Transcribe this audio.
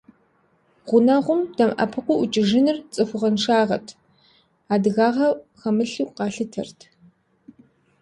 Гъунэгъум дэмыӀэпыкъуу ӀукӀыжыныр цӀыхугъэншагъэт, адыгагъэ хэмылъу къалъытэрт.